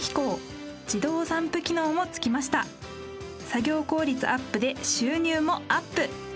作業効率アップで収入もアップ。